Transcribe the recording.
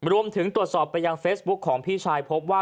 รวมถึงตรวจสอบไปยังเฟซบุ๊คของพี่ชายพบว่า